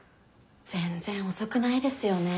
全然遅くないですよね？